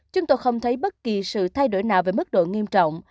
chúng tôi không thấy bất kỳ sự thay đổi nào về mức độ nghiêm trọng